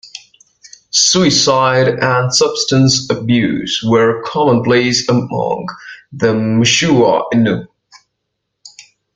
Suicide and substance abuse were commonplace among the Mushuau Innu.